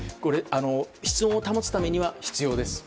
室温を保つためには必要です。